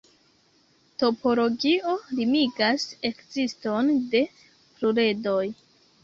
Topologio limigas ekziston de pluredroj.